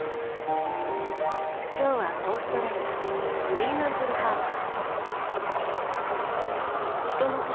今日はオーストラリアフリーマントルハーバー。